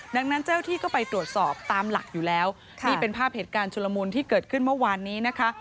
ดังนั้นเจ้าที่ก็ไปตรวจสอบตามหลักอยู่แล้วนี่เป็นภาพเหตุการณ์ชุลมุนที่เกิดขึ้นเมื่อวานนี้นะคะ